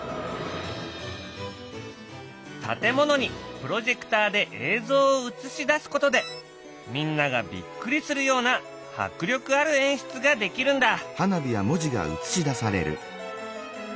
建物にプロジェクターで映像を映し出すことでみんながびっくりするような迫力ある演出ができるんだ。